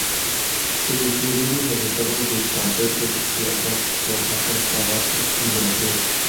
Se distribuye en los estados de Campeche, Chiapas, Oaxaca, Tabasco y Veracruz.